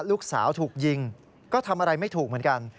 ลูกสาวถูกยิงก็ทำอะไรไม่ถูกเหมือนกัน